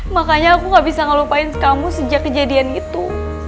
makanya aku gak bisa ngelupain kamu sejak kejadian itu